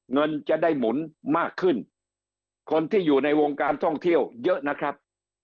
เงินจะได้หมุนมากขึ้นคนที่อยู่ในวงการท่องเที่ยวเยอะนะครับ